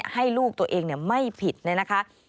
ให้ลูกตัวเองไม่ผิดนะคะ